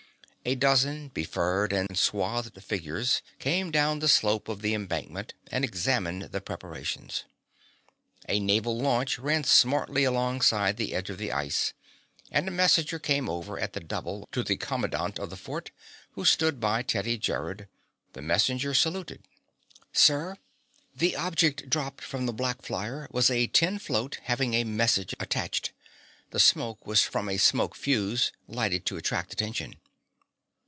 A dozen befurred and swathed figures came down the slope of the embankment and examined the preparations. A naval launch ran smartly alongside the edge of the ice, and a messenger came over at the double to the commandant of the fort, who stood by Teddy Gerrod. The messenger saluted. "Sir, the object dropped from the black flyer was a tin float having a message attached. The smoke was from a smoke fuse, lighted to attract attention."